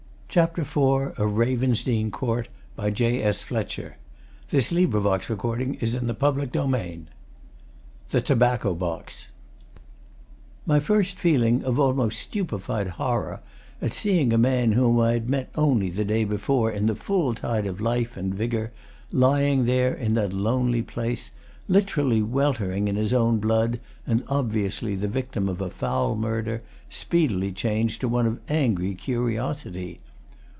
ing, I saw blood red, vivid, staining the shining particles in the yellow, sun lighted beach. CHAPTER IV THE TOBACCO BOX My first feeling of almost stupefied horror at seeing a man whom I had met only the day before in the full tide of life and vigour lying there in that lonely place, literally weltering in his own blood and obviously the victim of a foul murder speedily changed to one of angry curiosity.